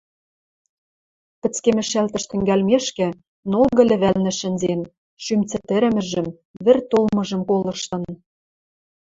Пӹцкемӹшӓлтӓш тӹнгӓлмешкӹ, нолгы лӹвӓлнӹ шӹнзен, шӱм цӹтӹрӹмӹжӹм, вӹр толмыжым колыштын.